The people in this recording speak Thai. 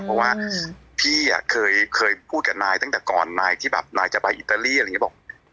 เพราะว่าพี่เคยพูดกับนายตั้งแต่ก่อนนายที่แบบนายจะไปอิตาลีอะไรอย่างนี้บอก